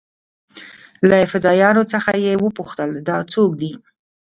له فدايانو څخه يې وپوښتل دا سوک دې.